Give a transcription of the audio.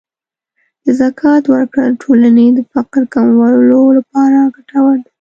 د زکات ورکړه د ټولنې د فقر کمولو لپاره ګټوره ده.